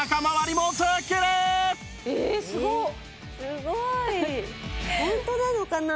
すごーい！